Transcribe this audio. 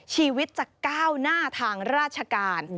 ชีวิตจะก้าวหน้าทางราชการ